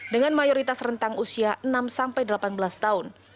dengan mayoritas rentang usia enam delapan belas tahun